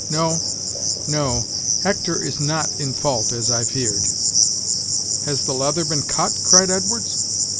No, no Hector is not in fault, as I feared." "Has the leather been cut?" cried Edwards.